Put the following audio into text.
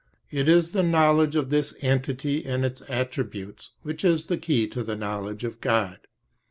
It is the knowledge of this entity and its attributes which is the key to the knowledge of God.